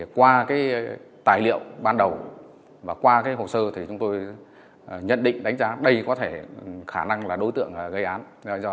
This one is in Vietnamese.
qua tài liệu ban đầu và qua hồ sơ chúng tôi đã tìm ra một đối tượng nổi cộng có tiền án tiền sự mới về địa bàn để hoạt động và sinh sống